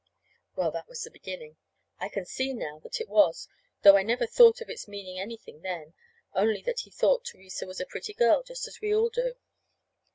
Well, that was the beginning. I can see now that it was, though, I never thought of its meaning anything then, only that he thought Theresa was a pretty girl, just as we all do.